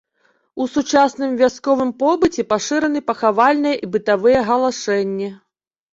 У сучасным вясковым побыце пашыраны пахавальныя і бытавыя галашэнні.